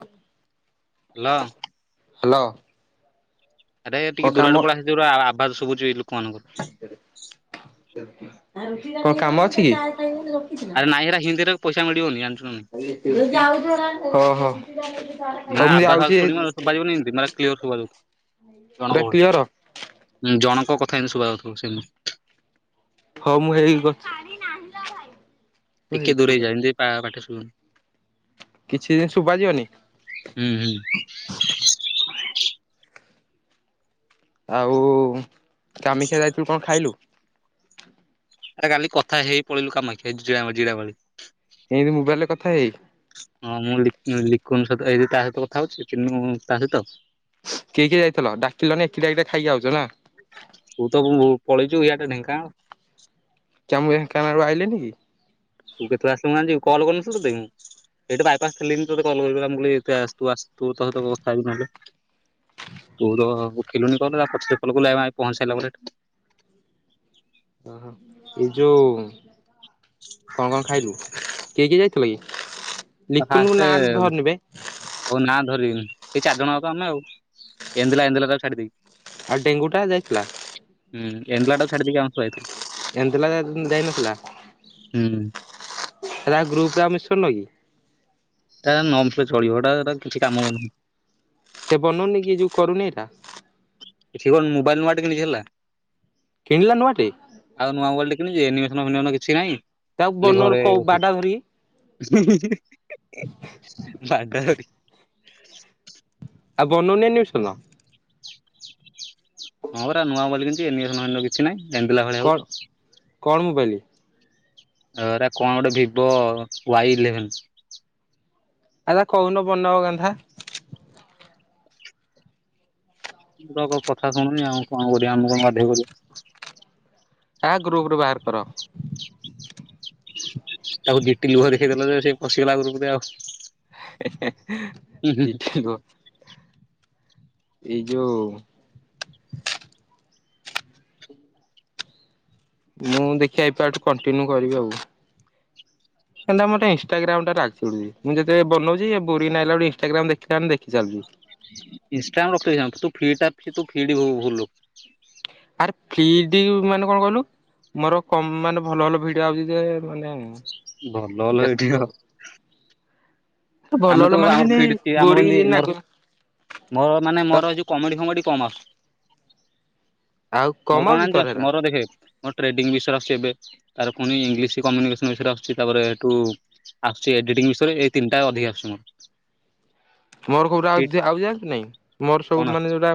ହ hello hello. ଆରେ କଣ ଟିକେ କାମ ଦୁରଆଡକୁ ପଳେଇଆସେ ଆୱାଜ ଶୁଭୁଛିୁ ଏଇ ଲୋକମାନଙ୍କର। କଣ କାମ ଆରେ ନାଇଁ ହେରା ହିନ୍ଦୀରେ ପଇସା ଅଛି ମିଳିବନି ଜାଣିଛୁ ନା ନାଇଁ କି? ହଁ-ହଁ। ନା ଆୱାଜ ଆ ଶୁଣିବ ଶୁଭାଯିବନି କେମିତି ମତେ କ୍ଲିୟର ଶୁଣାଯାଉଛି। ପୁରା ଜଣଙ୍କ ଭଏସ୍, କ୍ଲିଅର ଉଁ ଜଣଙ୍କ କଥା ହିଁ ଶୁଭାଯାଉଥିବ ସେମିତି। ହଁ ମୁଁ ହେଇ ପା ଟିକେ ଦୂରେଇ ଯାନି ଟିକେ ପା ପାଟି ଶୁୁନ କିଛି ଯେମି ଶୁଭାଯିବନି ହୁଁ ହୁଁ ଆଉ କାମିକ୍ଷା ଯାଇଥିଲୁ କଣ ଖାଇଲୁ? ଆରେ କାଲି କଥା ହେଇ-ହେଇ ପଳେଇଲୁ କାମାକ୍ଷା ଏଠୁ ଜି ଜିରାଗଳି। ଏମିତି ମୋବାଇଲରେ କଥା ହେଇ ହଁ ମୁଁ ଲିକୁ ଲିକୁନ୍ ସହିତ ଏବେ ତା ସହିତ କଥା ହଉଛି ମୁଁ ତା ସହିତ କିଏ କିଏ ଯାଇଥିଲ ଡାକିଲନି ଏକଟିଆ ଏକଟିଆ ଖାଇକି ଆଉଛ ନା? ତୁଉ-ଉ ପଳେଇଛୁ ଇଆଡେ ଢେଙ୍କାନାଳ। କା ମୁଁ ଡେଙ୍କାନାଳରୁ ଆଇଲିନି କି? ତୁ କେତେବେଳେ ଆସିଲୁ ମୁଁ ଆଜି କଲ୍ [unintelligible] ଏଇଠି ବାଇପାସ ଥିଲେ ବି ତତେ କଲ କରି ମୁଁ କହିଲି ଆସେ ତୁ ଆସେ ତୋ ସହିତ କଥା ହେବି ନହେଲେ। ତୁ ତ ଓଖିଲୁନି କଲ୍ ତା ପଛରେ କଲ କଲୁ ଆମେ ଆମେ ପହଞ୍ଚି ସାରିଲା ପରେ ଏଠି। ଓହୋଃ ଏ ଯୋଉ କଣ କଣ ଖାଇଲୁ? କିଏ କି ଯାଇଥିଲ କି? ଲିକୁନଙ୍କ ଫାଷ୍ଟେ ନାଁ ଧରନି ବେ। ହଉ ନା ଧରିବିନି ଏଇ ଚାରି ଜଣ ଅ ତ ଆମେ ଆଉ, ଏନ୍ଦଲା ଏନ୍ଦଲା ତାକୁ ଛାଡିଦେବି। ଆଉ ଡେଙ୍ଗୁଟା ଯାଇଥିଲା? ଏଣ୍ଡଲଟାକୁ ଛାଡିଦେଇକି ଆମେ ପଳେଇଥିଲୁ। ଏନ୍ଦଲା ଯାଇ ଯାଇନଥିଲା? ହୁଁ ହେରା ଗ୍ରୁପରେ ଆଉ ମିଶୁନ କି? ଏଟା ନ [unintelligible] ଚଳିବ ହେଟା ହେଟା କିଛି କାମକୁ ନୁହଁ। ସେ ବନଉନି କି ଯୋଉ କରୁନି ଏଟା? ସେ କଣ ମୋବାଇଲ୍ ନୂଆଟେ କିଣିଛି ହେଲା। କିଣିଲା ନୂଆଟେ? ଆଉ ନୂଆ ମୋବାଇଲଟେ କିଣିଛି ଯେ ଏନିମେସନ ଫେନିମନ କିଛିନାହିଁ। ତାକୁ ବନ [unintelligible] କହୁ ବାଡା ଧରିିକି। ହୁଁ-ହୁଁ-ହୁଁ-ହୁଁ ହୁଁ ବାଡାଧରିକି। ଆଉ [unintelligible] ଶୁନ। ହଁ ପରା ନୂଆ ବୋଲି କିତି ଏନି କିଛି ନହିଁ ଏନ୍ଧିଲା ଭଳିଆ କଣ ହଉଛି। କଣ ମୋବାଇଲି? ରା କଣ ଗୋଟେ ଭିବୋ ୱାଇ ଇଲେଭେନ। ଆରେ କହୁନ [unintelligible] ମୁ ତ କଥା ଶୁଣୁନି ଆଉ କଣ କରିବା ଆମେ କଣ ବାଧ୍ୟ କରିବୁ। କାହା ଗ୍ରୁପରୁ ବାହାର କର। ତାକୁ ଦିଇଟି ଲୁହ ଦେଖେଇଦେଲ ସେ ପଶିଗଲା ଆ ଗ୍ରୁପ୍ ରେ ଆ [unintelligible] ଏଇ ଯୋଉ ମୁଁ ଦେଖି ଆଇପଠୁ କଣ୍ଟିନ୍ୟୁ କରିବି ଆଉ। କତା ଇନଷ୍ଟଟାଗ୍ରାମ ଟାରେ ଆସୁନି ମୁଁ ଯେତେ ବନଉଛି ବୋରିଂ ନଁଲା ଗ ଇନଷ୍ଟାଗ୍ରାମ ଦେଖ ଦେଖି ଚାଲୁଛି। [inaudible] ଆର୍ ଫିଡ଼ ମାନେ କଣ କହିଲୁ ମୋର କ ମାନେ ଭଲ ଭଲ ଭିଡିଓ ଆଉଛି ଯେ ମାନେ ଭଲଲ ଦେଖୁଛି ଏଇଠଅ ଆଉ ଭଲ ଆମେ ଭଲ ତ ମାନେ ଆମର ଯେମିତି ଫିଟ୍ ଅ ଆମର ବୋରିଂ ଏମିତି ଯେମିତି ମୋର ଲାଗୁନି। ମୋର ମାନେ ମୋର ଯଉ କମେଡି ଫମେଡି କମର୍ସ ଆଉ ମୋର କଣ କମାଉଛି ଜାଣିଛୁ ତୋର ଆସୁଛି ହେରା ମୋର ଦେଖେ ମୋ ଟ୍ରେଡିଂ ବିଷୟରେ ଆସଛି ଏବେ। ତାର ପୁଣି ଇଂଲିଶ କମ୍ୟୁନିକେସନ ବିଷୟରେ ଆସୁଛି। ତାପରେ ଏଇଠୁ ଆସୁଛି ଏଡିଟିଂ ବିଷୟ ଏଇତିନିଟା ଅଧିକା ହୁଁ। ମୋର ସବୁଟା ଆଉ ଯାଆନ୍ତି ନାଇଁ ମୋର କଣ ସବୁ ଆସୁଛି ମାନେ ଯୋଉଟା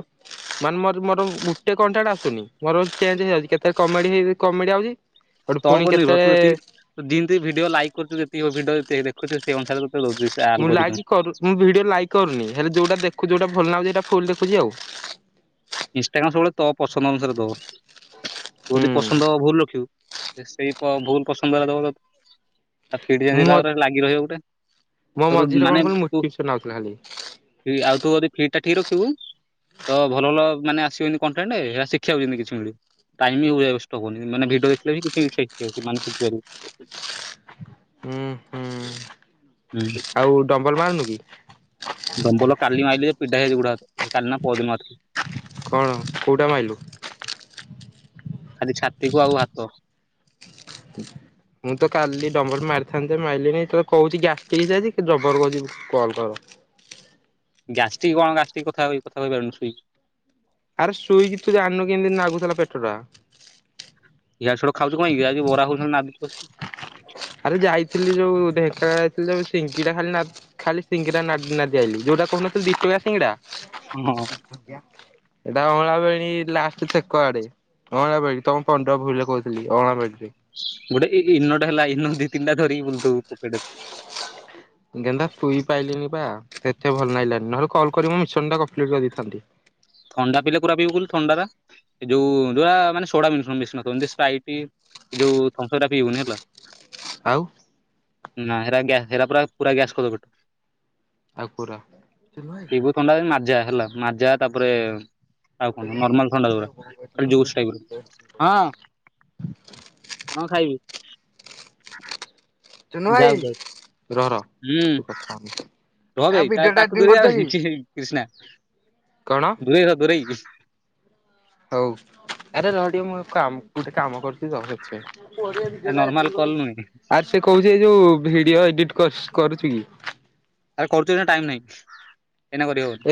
ମାନେ ମୋର ମୋର ଗୋଟ କଣ୍ଟାଟ ଆସୁି ମୋର ଚେଞ୍ଜ ହେଇଯାଉଛି। କେତେ କମେଡିଇ କମେଡି ଆଉଛି। ସେଠୁ ତୋ ପୁଣି ଉପରେ ନିର୍ଭର କେତେବେଳେ ତୁ ଏତିକି ଯେମିତି ଭିଡିଓ ଲାଇକ୍ କରୁଛୁ ଯେତିକି ଭିଡିଓ ଯେତିକି ଦେଖୁଛୁ ସେଇ ଅନୁସାରେ ଦଉଛି ସେ ମୁଁ ଆଲଗୋରିଦମ। ଲାଇକ୍ କରୁ ମୁଁ ଭିଡିଓ ଲାଇକ୍ କରୁନି ହେଲେ ଯୋଉଟା ଦେଖୁ ଯୋଉଟା ଭଲ ଲାଗୁଛି ଏଇଟା ଫୁଲ ଦେଖୁଛି ଆଉ। ଇନଷ୍ଟାଗ୍ରାମ ସବୁବେଳେ ତ ପସନ୍ଦ ଅନୁସାରେ ଦବ ତୁ ହୁଁ ଯଦି ପସନ୍ଦବ ଭୁଲ ରଖିବ ସେଇ ପ ଭୁଲ ପସନ୍ଦ ହେଲାଦବ ଆଉ ଖି ମୁଁ ଜଲା ପରେ ଲାଗି ରହିବ ଗୋଟେ। ମୋ ରୁ ମଝିରେ କଣ ମାନେ କହିଲୁ ତୁ ମୋଟିଭେସନ ଆଉଥିଲା ଖାଲି ଆଉ ତୋରି ଫିଟ ସେଟା ଠିକ ରଖିବୁ ତ ଭଲ ଭଲ ମାନେ ଆସିବ କଣ୍ଟେଣ୍ଟ ଶିଖିବାଉଛନ୍ତି କିଛି ମିଳେ। ଟାଇମ ୱେଷ୍ଟ ହବନି ମାନେ ଭିଡିଓ ଦେଖୀଲେ ବି କିଛି ଶିଖ ମାନେ କିଛି ଶିଖୀ ପାରିବୁ। ହୁଁ ହୁଁ। ଆଉ ଡମ୍ବଲ ଭାରୁନି କି? ଡମ୍ପଲ କାଲି ମାଲି ଯେ ପିଡା ହେଇଛି ଯେ ଗୋଡ ହାତ କାଲି ନା ପଅର ଦିନ ମାରିଥିଲି। କ ଣ କୋଉଟା ମାଇଲୁ? ଖାଲି ଛାତିକୁ ଆଉ ହାତ। ମୁଁ ତ କାଲି ଡମ୍ବର ମାରିଥାନ୍ତେ ମାରିଲିଣିି ତ କହୁଛି ଗ୍ୟାଷ୍ଟିକ ହେଇ ଯାଇଛି ଯବର କହୁଛି କଲ୍ କର । ହଁ ଗ୍ୟାଷ୍ଟିକ କଣ ଗ୍ୟାଷ୍ଟିକ କୋଥା କଥା କହି ପାରୁବୁନି ଶୋଇକି। ଆରେ ଶୋଇକି ତୁ ଜାଣିନୁ କେମିତିିନ ଲାଗୁଥିଲା ପେଟ ଟା। ଇଆଡେ ସିଆଡେ ଖାଉଛୁ କଣ କି ଆଜି ବରା ହଉଛନ୍ତି ନାଦୁଛୁ ବସିକି। ଆରେ ଯାଇଥିଲି ଯୋଉ ଢେଙ୍କାନାଳ ଯାଇଥିଲି ଯୋଉ ସିଙ୍ଗିଡ଼ା ଖାଲି ନା ଖାଲି ସିଙ୍ଗିଡ଼ା ନାଦି ଆଇଲି ଯୋଉ ଟା କହୁନଥିଲି ଥିଲେ ଦି ଟଙ୍କା ହଁ ସିଙ୍ଗିଡା ସେଟା ଅ ଲାଷ୍ଟ ଛେକ ଆଡେ ଅଣାବେଡି ତମ ପଣ୍ଡପ ଭୁଲ କହୁଥିଲି ଅଣା ବରେ ଗୋଟେ ଇ-ଇ-ଇ ଇନୋଟେ ହେଲା ଇନୋ ଦି ତିନଟା ଧରିକି ବୁଲଥିବୁ ପକେଟରେ। ଗେଂଧା ସୋଇ ପାଇଲିନି ବା। ସେତେ ଭଲ ଲାଗିଲାନି ନହେଲେ କଲ୍ କରି ମିଶନ ଟା କମ୍ପ୍ଲିଟ୍ କରିଦେଇଥାନ୍ତି। ଥଣ୍ଡା ପିଇଲେ କଉଁଟା ପିଇବୁ କହିଲୁ ଥଣ୍ଡାଟା ଯୋଉ ଯ ମାନେ ସୋଡ଼ା [unintelligible] ମିଶୁନଥିବ ଯେମିତି ସ୍ପ୍ରାଇଟି ଏ ଯୋଉ ଥମ୍ ସପ ପିଇବୁନି ହେଲା। ଆଉ ନା ଏରା ଗ୍ୟା ହେରା ପୁରା ପୁରା ଗ୍ୟାସ୍ ଖଦ ପଟୁ ଆକୁରା ଭାଇ ଥଣ୍ଡା ମାଜା ହେଲା ମାଜା ତାପରେ [unintelligible] କଣ ଖାଇବି? ଯାଉ ଯାଉ ରହ ରହ ତୁ ହୁଁ। କଥା ହନି ଭ ତାଲେ ତାକୁ ଦୂରେଇ ଆ କଷ୍ଣା କଣ ଦୂରେଇ ଦୂରେଇକ ହଉ ଆରେ ରହ ଟିକେ ମୁଁ କାମ ଗୋଟେ କାମ କରୁଛି ତ ନର୍ମାଲ କଲ୍ ସେଥିପାଇଁ। ନୁହେଁ। ଆର୍ ସେ କହୁଛି ଏ ଯୋଉ ଭିଡିଓ ଏଡିଟ କରୁ କରୁଛି କି? କରୁଚି ନା ଟାଇମ ନାଇଁ।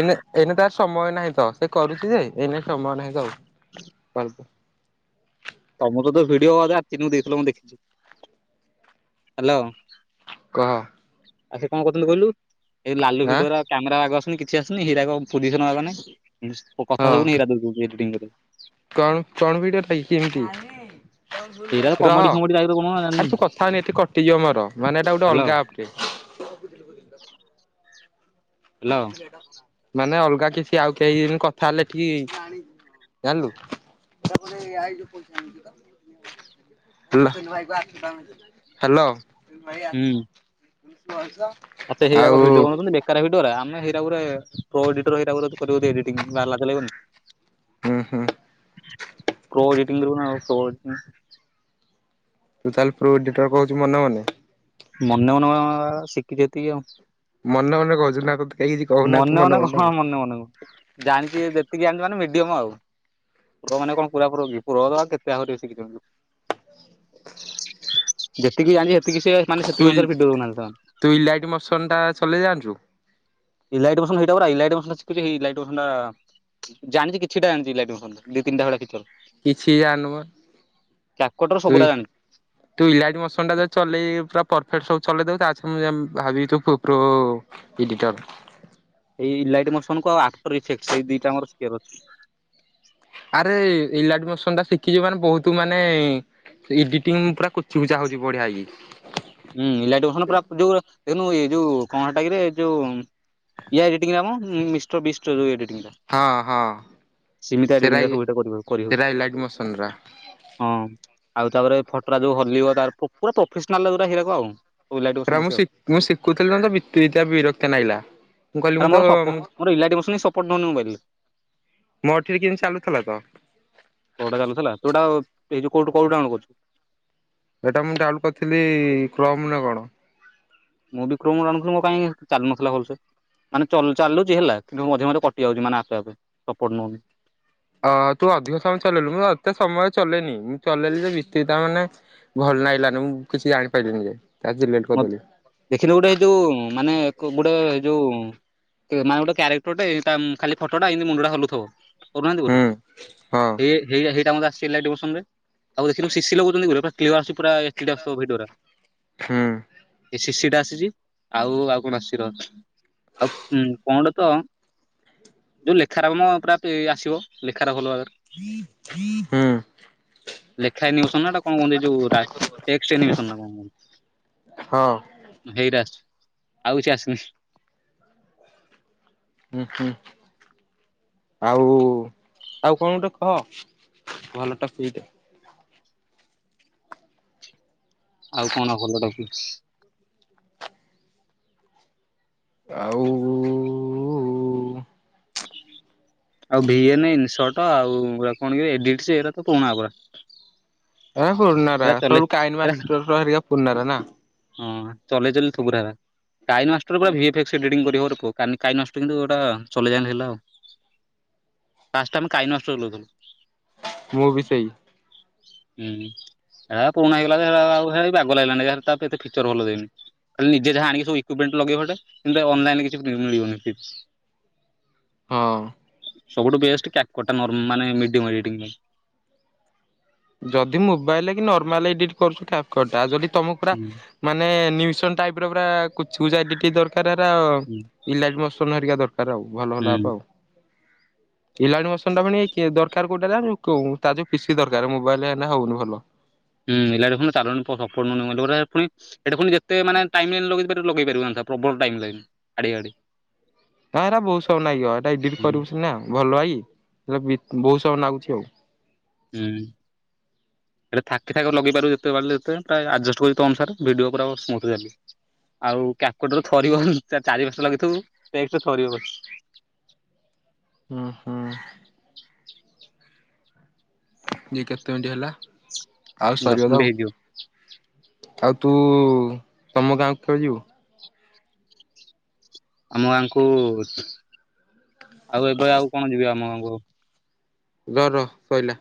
ଏଇନେ ଏଇନେ ତା ସମୟ ନାହିଁ ତ ସେ କରୁଛି ଯେ ଏଇନେ ସମୟ ନାହିଁ ତ ଆଉ ତମର ତ ଭିଡିଓ ରାତିରୁ ଦେଇଥିଲ ମୁଁ ଦେଖିଛି। ହେଲୋ। କହ। ଆଉ ସେ କଣ କରୁଛନ୍ତିୁ କହିଲୁ ଏଇ ଲାଲୁ ଆଁ ଭିଡିଓ ର କ୍ୟାମେରା ଆଗ କିଛି ଆସୁନି ହୀରା ପୋଜିସନ୍ [inaudible] ମୋ କଥା ହଁ ସୁଭୁନି ହେରି ଏଡିଟିଙ୍ଗ କଣ କଣ ଭିଡିଓ ଟା କି କେମିତି ହୀରା ତ କମେଡି ରହ। ଫମେଡି ଟାଇପର କଣ ଜାଣିନି ଆରେ ତୁ କଥା ହନି ଏଠି କଟିଯିବ ମର ମାନେ ଏଟା ଗୋଟେ ହ୍ୟାଲୋ ଅଲଗା ଆପ୍ ଟେ। [unintelligible] ହ୍ୟାଲୋ ମାନେ ଅଲଗା କିଛି ଆଉ କେହି କଥା ହେଲେ ଟି ଜାଆଲୁ । Hello hello. ଆ ସେଇଗୁକ ଭଡିଓ ବନାଉଛନ୍ତି ବେକାର ଭିଡିଓ ରା ଆମେ ହେଇରା ଗୁରେ ପ୍ରୋ ଏଡିଟର ହେ଼ଇରା ଗୁରେ କରିବ ଯଦି ଏଡିଟିଙ୍ଗିଂ ବାହାରା ଲାଗିବନି। ହୁଁ ହୁଁ। ପ୍ରୋ ଏଡିଟିଂ କରିବ ନା ପ୍ରୋଂ ଏଡିଟିଂ। ତୁ ତାହେଲେ ଏଡିଟର କହୁଛୁ ମନେ ମନେ। ମନେ ମନେ ଶିଖିଛିତିକ ଆଉ। ମନେ ମନେ କହୁଚୁ ନା ତତେ କେହି କିଛି କହୁନା ତୁ ମନେ ମନେ କଣ ଆଉ ମନେ ମନେକ ଜାଣିଛି ଯେତିକି ଜାଣିଛ ମାନେ [inaudible] ଯେତିକି ଜାଣି ସେତିକି ସେ ମାନେ ତୁ ସେତିକି ଅନସାରେ ଭିଡିଓ ବନା ତୁ ଇଲାଇଟ୍ ମୋସନ ଟା ଚଲେଇ ଜାଣିଛୁ [inaudible] ଇଲାଇଟ ମୋସନ ଶିଖିଚି ଏଇ ଇଲାଇଟି ମୋସନ ଟା ଜାଣିଛି କିଛିଟା ଜାଣିଛି ଇଲାଇଟ୍ ସ ଦି ନିଟା ଭଳିଆ କିଛି କିଛି ଆଣବ କ୍ୟାପକଟର ତୁଇ ସବୁରା ଜାଣିଛି। ତୁଇଲାଡି ମସନ ଟା ତ ଚଲେଇ ପୁରା ପରଫେକ୍ଟ ସବୁ ଚଲେଇ ଦବୁ ତାଛ ମୁଁ ଭାବିବି ତୁ ପ୍ରୋ ଏଡିଟର୍। ଇ ଲାଇଟ ମସନ କୁ ଆଉ ଆଫଟର ଇଫେଟଇ ଦିଟା ଆମରର ଅଛି। ଆରେ ଇଲାଡି ମସନ ଟା ଶିଖିଛି ମାନେ ବହୁତ ମାନେ ଏଡିଟିଂ ମୁଁ ପୁରା କୁଚିୁଚା ହଉଛି ବଢିଆ ହେଇକି। ହୁଁ ଇଲାଇଟ୍ ପାସନ୍ ଯଉ ତନୁ ଏ ଯୋଉ କଣ ସେଟା କିରେ ଯୋଉ ଇଏ ଏଡିଟିଙ୍ଗ ହଁ ହଁ। ସିମିତିଆ ସେରା ରିଡିଙ୍ଗ ଇ ଦେ କରି କରି ହଉଛି ସେରା ଇଲାଇଟ୍ ମୋସନ ରା ହଁ। ଆଉ ତାପରେ ଫଟରଆ ଯୋଉ ହଲିବ ପୁରା ପ୍ରଫେସନାଲ ଯୌରା କ ଆଉ ସେରକ୍ ଆଉ। ମୁଁ ମୁଁ ଶିଖୁଥିଲି ନା ବିତିବିତା ତ ବିରକ୍ତ ନାଗିଲା। ମୁଁ କହିଲି ଆ ମୁଁ ତ ମୋର ସପୋଟ ମୋରଇିଲାଟିୋ ସପୋର୍ଟ ଦଉନି ମୋବାଇଲ୍ ରେ। ମୋ ଏଠିରେ କେମିତି ଚାଲୁଥିଲା ତ କୋଉଟା ଚାଲୁ ଥିଲା। ଏଇ ଯୁ କୋଉଠୁ କୋଉଠୁ ଡାଉନଲୋଡ କଛୁ? ଏଟା ମୁଁ ଡାଉଲ କରିଥିଲି କ୍ଲମ ନା କଣ। ମୁଁ ବି କ୍ରୋମ ରୁ ଡାଉନଲୋଡ କରି ଥିଲି ମୋ କାହି ଚାଲୁ ନଥିଲା ଭଲ ସେ। ମାନେ ଚଲ ଚାଲୁଚି ହେଲା କିନ୍ତୁ ମଝି ମଝି କଟି ଯାଉଛି ମାନେ ଆପେ ଆପେ ସପୋର୍ଟ ନଉନି। ଅ ତୁ ଅଧିକ ସମୟ ଚଲେଇଲୁ ମୁଁ ଏତେ ସମୟ ଚଲେେଇନି ମୁଁ ଚଲେଇଲି ଯେ ବୀତିବିତା ମାନେ ଭ ଭଲ ଲାଗିଲାନି ମୁଁ କିଛି ଜାଣିପାରିଲିନି ଯେ। ତା ଡିଲେଟ କରିଦେଲି ଦେଖିଲି ଗୋଟେ ଯୋଉ ମାନେ ଗୋଟେ ଯୋଉ ମାନେ ଗୋଟେ କାରେକ୍ଟର ଟେ ଖାଲି ଫଟୋଟା ଏମିତି ମୁଣ୍ଡଟା ହଲୁଥିବ। କରୁନାହାନ୍ତି ହୁଁ ହଁ ପୁରଇଇା ହେଇଟା ମୋତେ ଆସ [unintelligible] ହଁ। ଶିଶିଟା ଆସିଛି ଆଉ ଆଉ କଣସିିର ଆଉ କଟ ତ ଯୋଉ ଲେଖାରମ ପୁର ଆସିବ ଲେଖାର ଭଲ ଭାବରେ। ହୁଁ ଲେଖାନିବସନ ନାା କଣ କୁହନ୍ତି ଯୋଉ କଣ କୁହନ୍ତି? ହଁ। ହେଇଟା ଆସ ଆଉ କିଛି ଆସିନି। ହୁଁ ହୁଁ ଆଉ ଆଉ କଣ ଗୋଟେ କହ ଭଲ ଟା ଟପିକଟେ। ଆଉ କଣ ଭଲଟା କି? ଆଉ [unintelligible] ଏ ଫୁୁରୁନା ଏଗୁରା ସୁ ଚଲେଇ ଏରା କାଇନଷ୍ଟ ସାରିକା ଫୁରୁନା ନା? ଚଲେ ଚଲେ ଠୁବୁର ହେ। କାଇ ନଷ୍ଟ ଗ ଭିଂିବାର କ କ ନଷ୍ଟ କିନ୍ତୁ ଗୋଟା ଚଲେଇ ଜାଣିଲେ ହେଲା ଆଉ। [unintelligible] ମୁଁ ବି ସେଇ। ହୁଁ ସେଟା ପୁରୁଣା ହେଇଗଲାଟ ଆଉ ବାଗ ଲାଗିଲାନି ଏତେ ଫିଚର ଭଲ ଦେଇନି। ଖାଲି ନିଜେ ଯାହା ଆଣିକ ସବୁଇକୁିପ୍େଣ୍ଟ ଲଗେଇବ ଅନଲାଇନ ରେ କିଛି ମିଳିବନି। ହଁ। ସବୁଠୁ ବେଷ୍ଟେ କ୍ୟାପ କଟ୍ ମିଡିମ୍ ରିଙ୍ଗୀ। ଯଦି ମୋବାଇଲରେ କି ନର୍ମାଲ ଏଡିଂ କରୁଛ କ୍ୟପ କଟା ତମକୁ ପୁରା ହୁଁ ମାନେ ନ୍ୟୁସନ୍ ଟାଇପ୍ର ପୁରା କଚକୁଚା ଏଡିଟି ଦରକାର ହୁଁ ଦରକାର ଆଉ ଭଲ ଭଲ ହୁଁ। ଆପ୍ ଆଉ। ଇିଲଣି ମସନ ଟା ପୁଣି ଦରକାର କୋଉଟା ଜାଣିଛୁ ତା ଯୋଉ ପିସି ଦରକାର ମୋବାଇଲ ହେ ହଉନି ଭଲ। ହୁଁାଣି ଚାଲୁନୀ ସପଟ୍ ନଉନି ଯେତ ଟାଇମି ଲେଗେଇ ପାରିବୁ। ପ୍ରବଳ ଟାଇମ ଲାଗେନି ଆଡି ଗାଡି। ନା ଏରା ବହୁତ ସାରା ସମୟ ଲାଗିବ ଏରା ଏଡିଟିଂ କରିବୁ ସନା ଭଲ ଆଇ ହେ ବହୁତ ସମୟ ଲାଗୁଛି ଆଉ। ହୁଁ। ହ। ଏଇଟା ଥକି ଥକି ଲଗେଇପରିବୁ ଯେତେ ବାିଲ ଯେତେ ପ୍ରାୟ ଆଡ଼ଜଷ୍ଟ କରି ତୋ ଅନୁସାରେ ଭିଡ଼ିଓ ପୁରା ସ୍ମୁଥ୍ ଚାଲିବ। ଆଉ କ୍ୟାପଟ ଥରିବ ଚାରି ପାସ ଲାଗିଥିବୁ ସେ ଥରିବ। ହ ହୁ। ଯେ କେତେ ମିନିଟ୍ ହେଲା? ଆଉ ସରିବ ଦଶ ତ ଆଉ। ମିନିଟ୍ ହେଇଥିବ। ଆଉ ତୁ ତମ ଗାଁକୁ କେବେ ଯିବୁ? ଆମ ଗାଁଙ୍କୁ ଆଉ ଏବେ ଆଉ କଣ ଯିବି ଆମ ଗାଁକୁ। ର ର ସଇଲା।